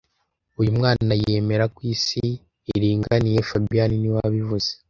Uyu mwana yemera ko isi iringaniye fabien niwe wabivuze